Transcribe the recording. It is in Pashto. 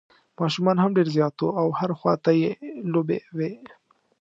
ماشومان هم ډېر زیات وو او هر خوا ته یې لوبې وې.